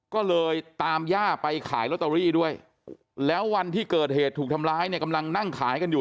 ก็เลยตามย่าไปขายลอตเตอรี่ด้วยแล้ววันที่เกิดเหตุถูกทำร้ายเนี่ยกำลังนั่งขายกันอยู่